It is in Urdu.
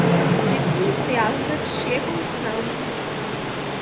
جتنی سیاست شیخ الاسلام کی تھی۔